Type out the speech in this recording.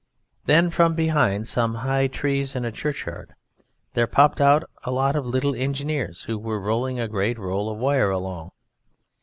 Then from behind some high trees in a churchyard there popped out a lot of little Engineers, who were rolling a great roll of wire along.